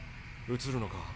移るのか？